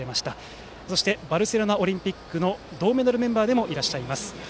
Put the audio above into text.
そしてバルセロナオリンピックの銅メダルメンバーでもいらっしゃいます。